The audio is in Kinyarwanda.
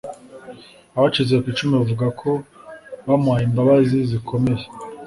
Abacitse ku icumu bavuga ko bamuhaye imbabazi zikomeye